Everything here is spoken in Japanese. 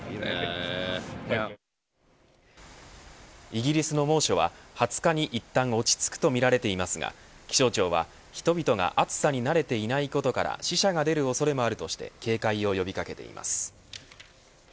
イギリスの猛暑は２０日にいったん落ち着くとみられていますが気象庁は人々が暑さに慣れていないことから死者が出る恐れもあるとして警戒を呼び掛けています。